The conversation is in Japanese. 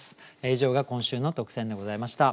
以上が今週の特選でございました。